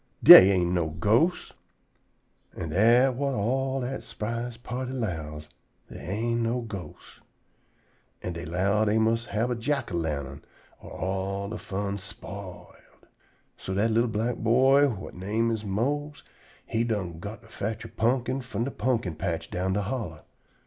"Dey ain't no ghosts." An' dat whut all dat s'prise party 'lows: dey ain't no ghosts. An' dey 'low dey mus' hab a jack o' lantern or de fun all spiled. So dat li'l black boy whut he name is Mose he done got to fotch a pumpkin from de pumpkin patch down de hollow.